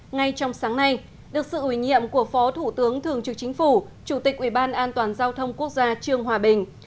ngay trong sáng nay được sự ủy nhiệm của phó thủ tướng thường trực chính phủ chủ tịch ủy ban an toàn giao thông quốc gia trương hòa bình